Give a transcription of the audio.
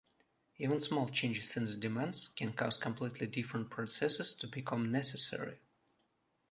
Even small changes in the demands can cause completely different processes to become necessary.